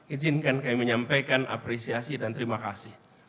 izinkan kami menyampaikan apresiasi dan terima kasih